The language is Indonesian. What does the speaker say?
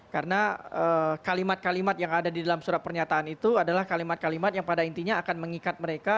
karena kalimat kalimat yang ada di dalam surat pernyataan itu adalah kalimat kalimat yang pada intinya akan mengikat mereka